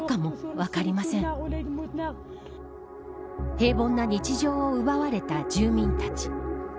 平凡な日常を奪われた住民たち。